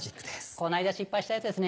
この間失敗したやつですね。